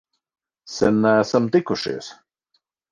Sen neesam tikušies!